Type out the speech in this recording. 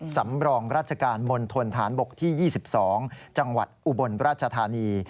สำรองราชการมณฑนฐานบกที่๒๒จังหวัดอุบลราชธานี